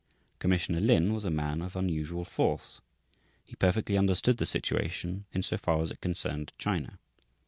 Commissioner Lin was a man of unusual force. He perfectly understood the situation in so far as it concerned China.